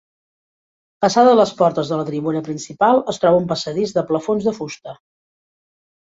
Passades les portes de la tribuna principal es troba un passadís de plafons de fusta